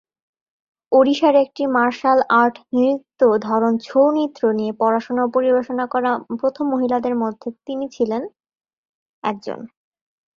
ওড়িশার একটি martial art নৃত্য ধরন ছৌ নৃত্য নিয়ে পড়াশুনা ও পরিবেশনা করা প্রথম মহিলাদের মধ্যে তিনি একজন ছিলেন।